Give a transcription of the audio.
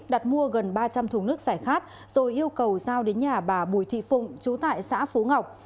đặt mua gần ba trăm linh thùng nước xảy khát rồi yêu cầu giao đến nhà bà bùi thị phụng chú tại xã phú ngọc